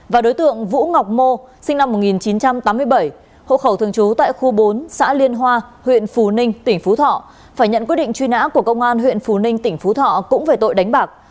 và đối tượng vũ ngọc mô sinh năm một nghìn chín trăm tám mươi bảy hộ khẩu thường trú tại khu bốn xã liên hoa huyện phú ninh tỉnh phú thọ phải nhận quyết định truy nã của công an huyện phú ninh tỉnh phú thọ cũng về tội đánh bạc